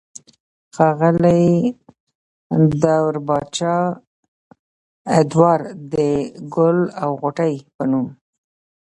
ښاغلي دور بادشاه ادوار د " ګل او غوټۍ" پۀ نوم